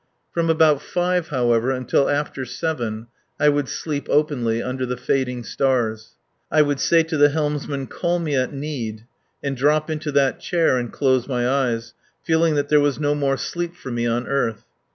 From about five, however, until after seven I would sleep openly under the fading stars. I would say to the helmsman: "Call me at need," and drop into that chair and close my eyes, feeling that there was no more sleep for me on earth.